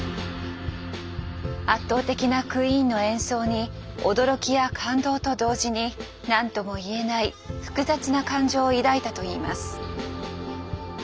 圧倒的なクイーンの演奏に驚きや感動と同時に何とも言えない複雑な感情を抱いたと言います。